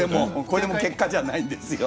これも結果じゃないんですよ。